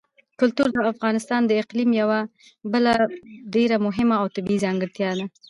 کلتور د افغانستان د اقلیم یوه بله ډېره مهمه او طبیعي ځانګړتیا ده.